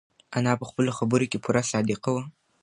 انا په خپلو خبرو کې پوره صادقه وه.